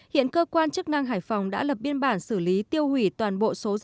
hiện cơ quan chức năng hải phòng đã lập biên bản xử lý tiêu hủy toàn bộ số rượu